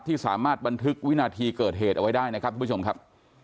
ที่สามารถบันทึกวินาทีเกิดเหตุเอาไว้ได้นะครับทุกผู้ชมครับ